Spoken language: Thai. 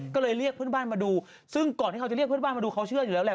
ก็เลยเรียกเพื่อนบ้านมาดูซึ่งก่อนที่เขาจะเรียกเพื่อนบ้านมาดูเขาเชื่ออยู่แล้วแหละ